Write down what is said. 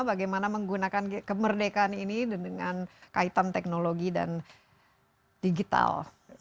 bagaimana menggunakan kemerdekaan ini dengan kaitan teknologi dan digital